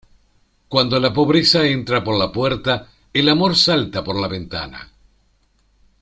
Cuando la pobreza entra por la puerta, el amor salta por la ventana.